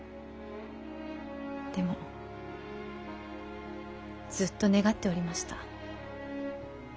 でもずっと願っておりました。